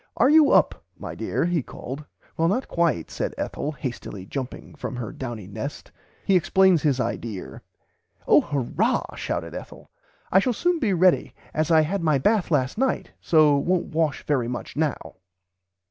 "Are you up my dear? he called. Well not quite said Ethel hastily jumping from her downy nest." He explains his "idear." "Oh hurrah shouted Ethel I shall soon be ready as I had my bath last night so won't wash very much now."